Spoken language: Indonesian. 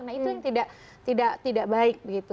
nah itu yang tidak baik begitu